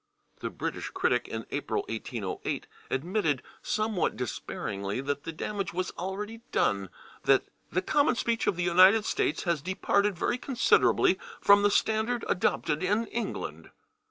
The /British Critic/, in April, 1808, admitted somewhat despairingly that the damage was already done that "the common speech of the United States has departed very considerably from the standard adopted in England."